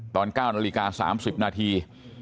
ตอน๙นาฬิกา๓๐นาที